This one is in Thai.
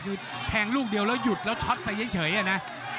คือแทงลูกเดียวแล้วหยุดแล้วช็อตไปเฉยนะ